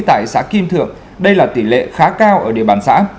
tại xã kim thượng đây là tỷ lệ khá cao ở địa bàn xã